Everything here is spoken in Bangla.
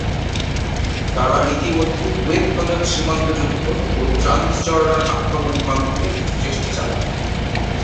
তারা ইতিমধ্যে কুয়েত-নজদ সীমান্ত যুদ্ধ ও ট্রান্সজর্ডান আক্রমণের মাধ্যমে কিছু চেষ্টা চালান।